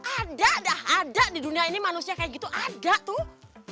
ada dah ada di dunia ini manusia kayak gitu ada tuh